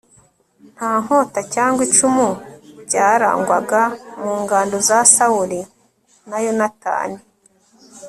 nta nkota cyangwa icumu byarangwaga mu ngando za sawuli na yonatani